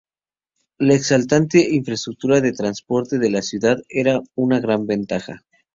La excelente infraestructura de transporte de la ciudad era una gran ventaja.